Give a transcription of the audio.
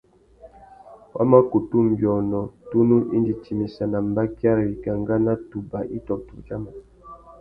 Wa má kutu nʼbiônô tunu indi timissana mbakia râ wikangá nà tubà itô tudjaman.